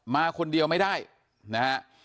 มาคนเดียวไม่ได้นะฮะ